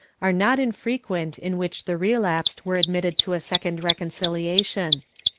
148), are not infrequent, in which the relapsed were admitted to a second reconciliation.